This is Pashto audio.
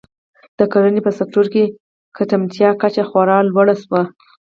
د کرنې په سکتور کې ګټمنتیا کچه خورا لوړه شوه.